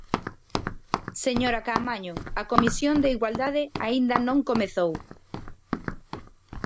Señora Caamaño, a Comisión de igualdade aínda non comezou.